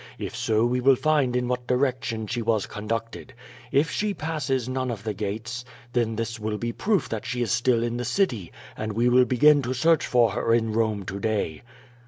If so we will find in what direction she was con ducted. If she passes none of the gates, then this will be proof that she is still in the city, and we will begin to search for her in Eome to day.''